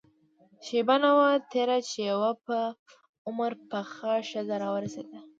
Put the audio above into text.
شېبه نه وه تېره چې يوه په عمر پخه ښځه راورسېده.